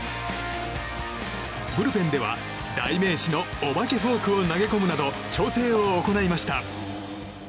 ブルペンでは代名詞のお化けフォークを投げ込むなど調整を行いました。